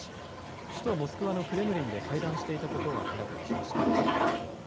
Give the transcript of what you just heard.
首都モスクワのクレムリンで会談していたことを明らかにしました。